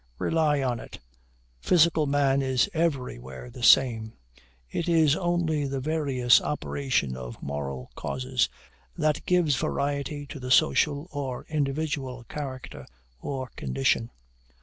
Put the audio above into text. Rely on it, physical man is everywhere the same: it is only the various operation of moral causes that gives variety to the social or individual character or condition.